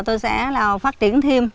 tôi sẽ phát triển thêm